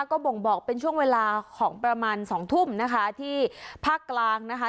ก็บ่งบอกเป็นช่วงเวลาของประมาณสองทุ่มนะคะที่ภาคกลางนะคะ